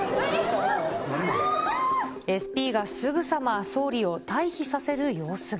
ＳＰがすぐさま総理を退避させる様子が。